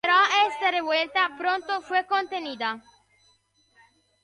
Pero esta revuelta pronto fue contenida.